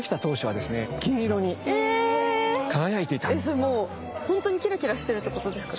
それもうほんとにキラキラしてるってことですか？